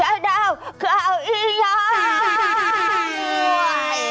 ย่ายดาวขอเอาอียาย